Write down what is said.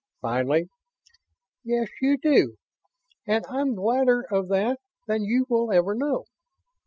Finally: "Yes, you do; and I'm gladder of that than you will ever know."